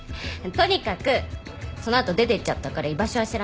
とにかくその後出てっちゃったから居場所は知らない。